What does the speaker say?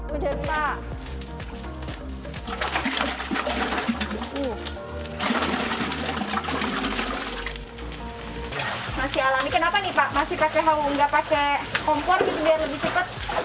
hujan pak masih alami kenapa nih pak masih pakai haw nggak pakai kompor gitu biar lebih cepat